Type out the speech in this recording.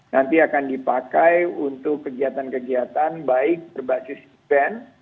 nanti akan dipakai untuk kegiatan kegiatan baik berbasis event